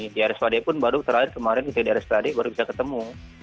di rs wadik pun baru terakhir kemarin di rs wadik baru bisa ketemu